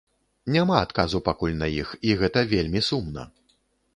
Няма адказу пакуль на іх, і гэта вельмі сумна.